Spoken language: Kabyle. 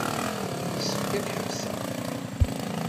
Yessefk ad ḥebseɣ.